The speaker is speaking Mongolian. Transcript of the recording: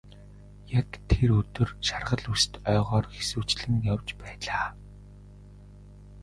Яг тэр өдөр шаргал үст ойгоор хэсүүчлэн явж байлаа.